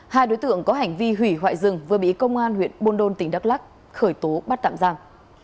hai đối tượng có hành vi hủy hoại rừng vừa bị công an huyện buôn đôn tỉnh đắk lắc khởi tố bắt tạm giam